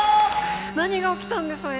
何が起きたんでしょう？